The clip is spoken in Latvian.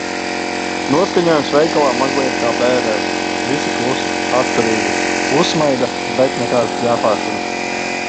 Noskaņojums veikalā mazliet kā bērēs. Visi klusi, atturīgi. Uzsmaida, bet nekādas pļāpāšanas.